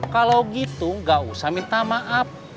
kalau gitu nggak usah minta maaf